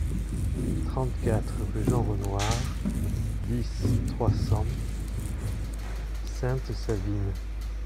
trente-quatre rue Jean Renoir, dix, trois cents, Sainte-Savine